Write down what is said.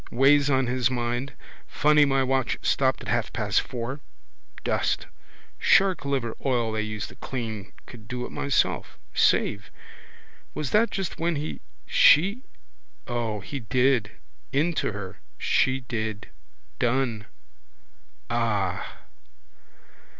Weighs on his mind. Funny my watch stopped at half past four. Dust. Shark liver oil they use to clean. Could do it myself. Save. Was that just when he, she? O, he did. Into her. She did. Done. Ah!